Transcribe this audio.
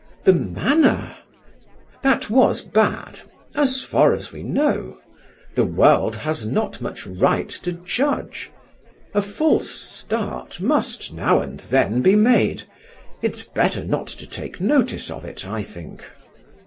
"The manner. .." "That was bad as far as we know. The world has not much right to judge. A false start must now and then be made. It's better not to take notice of it, I think."